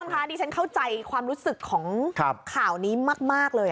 คุณผู้ชมคะดิฉันเข้าใจความรู้สึกของข่าวนี้มากเลย